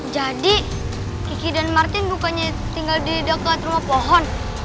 jadi kiki dan martin bukannya tinggal di dekat rumah pohon